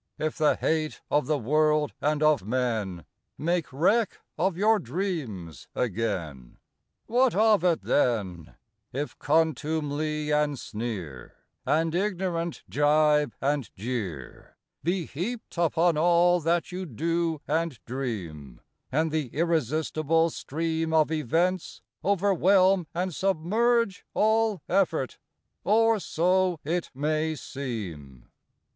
if the hate of the world and of men Make wreck of your dreams again? What of it then If contumely and sneer, And ignorant jibe and jeer, Be heaped upon all that you do and dream: And the irresistible stream Of events overwhelm and submerge All effort or so it may seem?